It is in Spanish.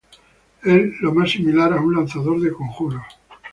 Es lo más similar a un lanzador de conjuros.